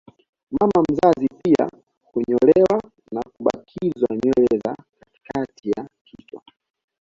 Mama mzazi pia hunyolewa na kubakizwa nywele za katikati ya kichwa